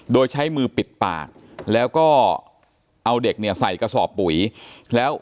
โดยใช้มือปิดปากแล้วก็เอาเด็กเนี่ยใส่กระสอบปุ๋ยแล้ว